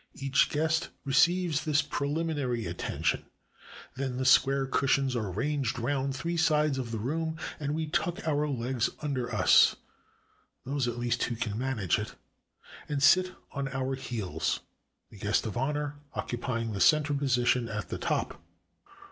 Each guest receives this preliminary attention; then the square cushions are ranged round three sides of the room, and we tuck our legs under us — those, at least, who can manage it — and sit on our heels, the guest of honor occupying the center position at the top.